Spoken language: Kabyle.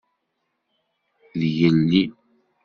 D yelli.